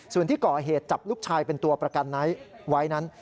ส่วนที่ก่อเหตุจับลูกชายเป็นตัวประกันไว้นั้น